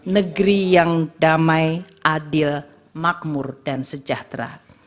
negeri yang damai adil makmur dan sejahtera